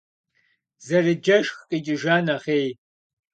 Зэрыджэшх къикӏыжа нэхъей.